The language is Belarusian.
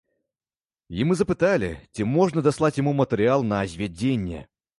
І мы запыталі, ці можна даслаць яму матэрыял на звядзенне.